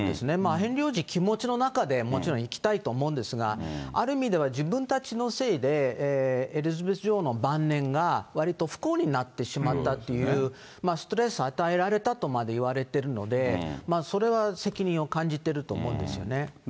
ヘンリー王子、気持ちの中で、もちろん行きたいと思うんですが、ある意味では自分たちのせいでエリザベス女王の晩年が、わりと不幸になってしまったっていう、ストレス与えられたとまでいわれてるので、それは責任を感じてると思うんですよね。